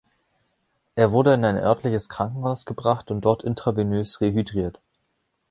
Er wurde in ein örtliches Krankenhaus gebracht und dort intravenös rehydriert.